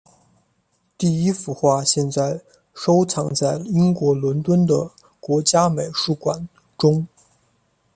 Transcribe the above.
第一幅画现在收藏在英国伦敦的国家美术馆中。